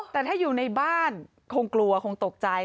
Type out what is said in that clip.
แต่ถ้าอยู่ในบ้านคงกลัวคงตกใจ